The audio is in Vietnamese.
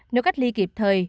nếu cách ly kịp thời